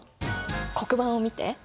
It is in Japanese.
黒板を見て！